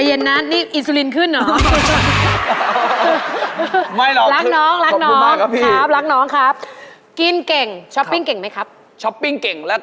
โตไม่เอาของมาหลอกขายให้เพื่อนดาราในวงการ